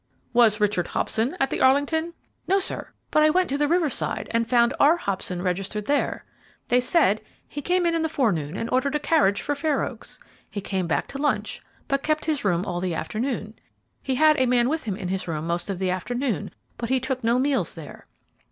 "Was Richard Hobson at the Arlington?" "No, sir; but I went to the Riverside, and found R. Hobson registered there. They said he came in in the forenoon and ordered a carriage for Fair Oaks. He came back to lunch, but kept his room all the afternoon. He had a man with him in his room most of the afternoon, but he took no meals there.